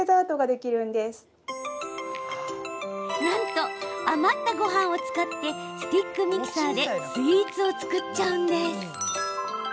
なんと、余ったごはんを使ってスティックミキサーでスイーツを作っちゃうんです。